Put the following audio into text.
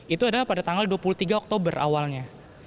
itu adalah pada tanggal dua puluh tiga oktober awalnya